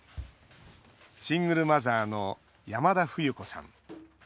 シングルマザーの山田冬子さん。